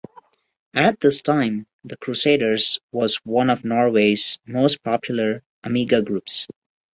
At this time, The Crusaders was one of Norway's most popular Amiga groups.